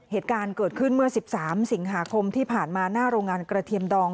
เหตุการณ์เกิดขึ้นเมื่อ๑๓สิงหาคมที่ผ่านมาหน้าโรงงานกระเทียมดอง